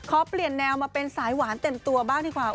ขอเปลี่ยนแนวมาเป็นสายหวานเต็มตัวบ้างดีกว่า